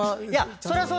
そりゃそう。